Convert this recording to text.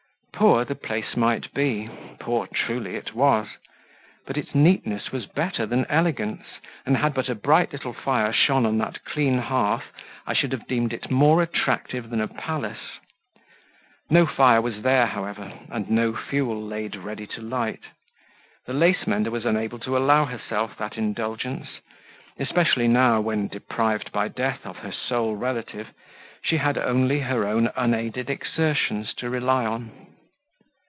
Poor the place might be; poor truly it was; but its neatness was better than elegance, and had but a bright little fire shone on that clean hearth, I should have deemed it more attractive than a palace. No fire was there, however, and no fuel laid ready to light; the lace mender was unable to allow herself that indulgence, especially now when, deprived by death of her sole relative, she had only her own unaided exertions to rely on.